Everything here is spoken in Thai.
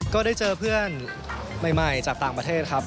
ก็ได้เจอเพื่อนใหม่จากต่างประเทศครับ